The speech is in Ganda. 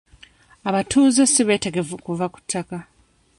Abatuuze si beetegefu kuva ku ttaka.